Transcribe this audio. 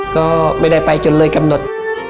ก็ไม่ได้ไปจนเลยกำหนด